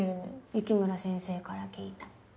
雪村先生から聞いた。